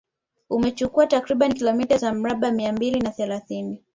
Umechukua takribani kilomita za mraba mia mbili na thelathini